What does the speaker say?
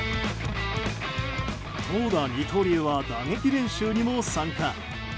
投打二刀流は打撃練習にも参加。